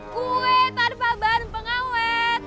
kue tanpa ban pengawet